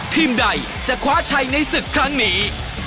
ทีมใดจะคว้าชัยในศึกครั้งนี้